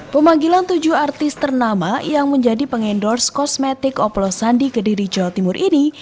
pemanggilan tujuh artis ternama yang menjadi pengendorse kosmetik oplosan di kediri jawa timur ini